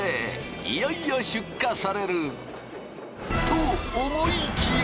いよいよ出荷されると思いきや！